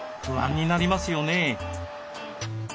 不安になりますよね。